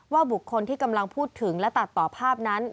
บุคคลที่กำลังพูดถึงและตัดต่อภาพนั้น